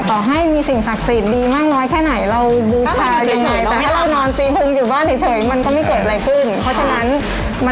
ต่อให้มีสิ่งศักดิ์สิทธิ์ดีมากน้อยแค่ไหนเราบูชาอย่างไร